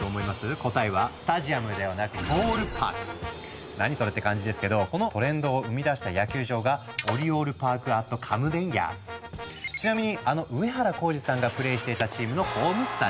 答えは「スタジアム」ではなく何それって感じですけどこのトレンドを生み出した野球場がちなみにあの上原浩治さんがプレーしていたチームのホームスタジアム。